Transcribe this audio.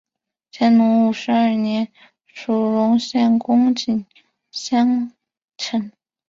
乾隆五十二年署荣县贡井县丞。